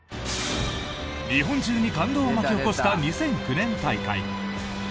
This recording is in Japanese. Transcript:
日本中に感動を巻き起こした２００９年大会。